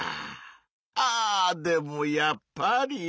あでもやっぱり。